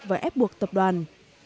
và ép buộc tập đoàn